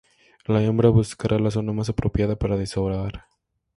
La hembra buscará la zona más apropiada para desovar.